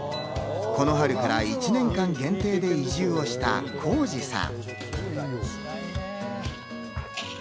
この春から１年間限定で移住をした晃士さん。